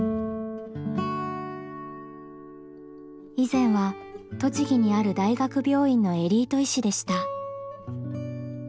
以前は栃木にある大学病院のエリート医師でした。